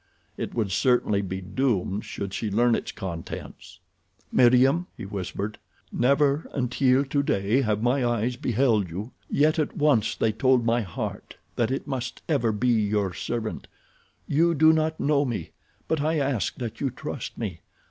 It would certainly be doomed should she learn its contents. "Meriem," he whispered, "never until today have my eyes beheld you, yet at once they told my heart that it must ever be your servant. You do not know me, but I ask that you trust me.